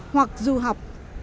hoặc du học